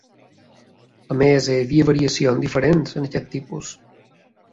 A més, hi havia variacions diferents en aquests tipus.